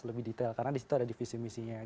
lebih detail karena di situ ada divisi misinya